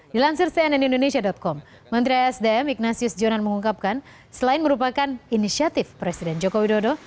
dilansir cnn indonesia com menteri esdm ignatius jonan mengungkapkan selain merupakan inisiatif presiden joko widodo